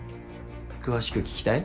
詳しく聞きたい？